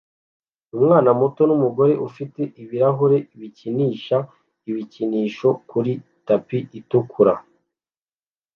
Umwana muto numugore ufite ibirahuri bikinisha ibikinisho kuri tapi itukura